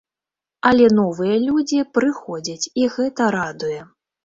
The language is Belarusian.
Але новыя людзі прыходзяць, і гэта радуе.